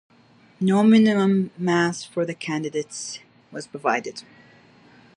No minimum mass for the candidates was provided.